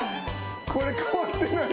これ変わってないんや。